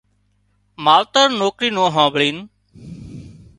ماوتر نوڪرِي نُون هانڀۯينَ